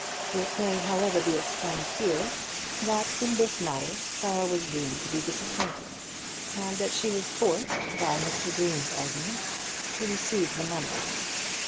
It may, however, be explained here that in this matter Clara was doomed to be disappointed; and that she was forced, by Mr. Green's arguments, to receive the money.